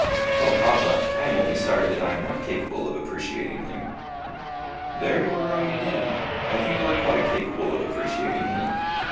"O, papa! I am only sorry that I am not capable of appreciating him." "There you are wrong again. I think you are quite capable of appreciating him.